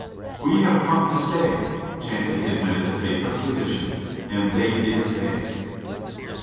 "We have come to stay," chanted his men as they took posi tion : and they did stay.